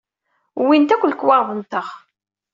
Wwint akk lekwaɣeḍ-nteɣ.